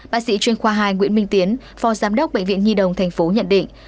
bác sĩ chuyên khoa hai nguyễn minh tiến phò giám đốc bệnh viện nhi đồng thành phố nhận định